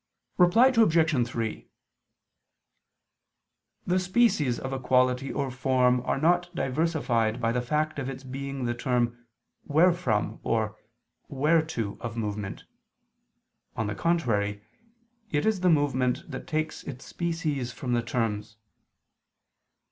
Reply Obj. 3: The species of a quality or form are not diversified by the fact of its being the term wherefrom or whereto of movement: on the contrary, it is the movement that takes its species from the terms.